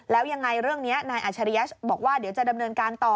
แล้วยังไงเรื่องนี้นายอัชริยะบอกว่าเดี๋ยวจะดำเนินการต่อ